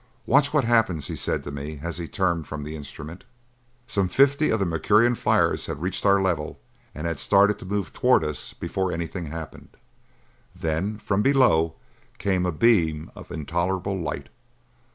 "Watch what happens," he said to me, as he turned from the instrument. Some fifty of the Mercurian flyers had reached our level and had started to move toward us before anything happened. Then from below came a beam of intolerable light.